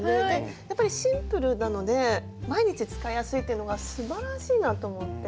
やっぱりシンプルなので毎日使いやすいっていうのがすばらしいなと思って。